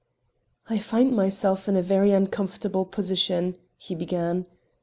"I find myself in a very uncomfortable position," he began.